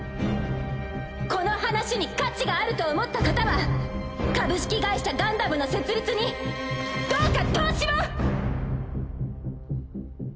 この話に価値があると思った方は「株式会社ガンダム」の設立にどうか投資を！